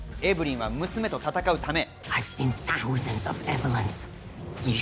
エヴリンは娘と戦うため。